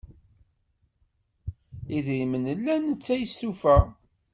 Idrimen llan netta yestufa.